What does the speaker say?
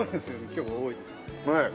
今日は多いですね。